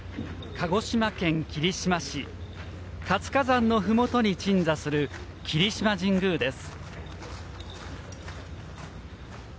鹿児島県霧島市活火山のふもとに鎮座する霧島神宮です。